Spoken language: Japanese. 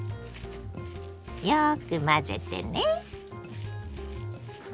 よく混ぜてね。